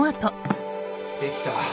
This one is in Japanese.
できた！